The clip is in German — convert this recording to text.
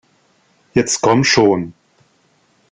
Jetzt komm schon!